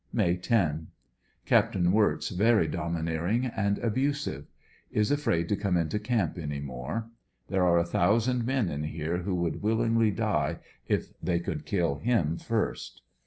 May 10. — Capt. Wirtz very domineering and abusive. Is afraid to come into camp any more. There are a thousand men inhere who would willingly die if they could kill him first.